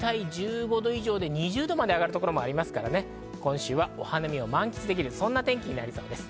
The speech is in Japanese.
２０度まで上がる所もありますから、今週はお花見を満喫できる、そんな天気になりそうです。